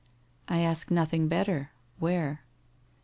' I ask nothing better. Where